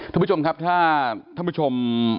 ท่านผู้ชมครับถ้าท่านผู้ชม